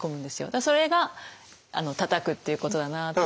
だからそれがたたくっていうことだなと。